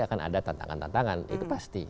akan ada tantangan tantangan itu pasti